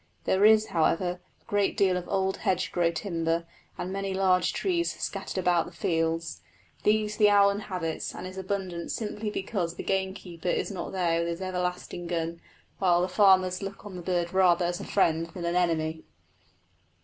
There is, however, a deal of old hedgerow timber and many large trees scattered about the fields. These the owl inhabits and is abundant simply because the gamekeeper is not there with his everlasting gun; while the farmers look on the bird rather as a friend than an enemy.